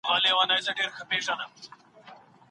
خو ستا صبر ګردسره نه دی د ستایلو